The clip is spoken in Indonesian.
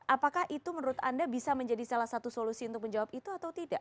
apakah itu menurut anda bisa menjadi salah satu solusi untuk menjawab itu atau tidak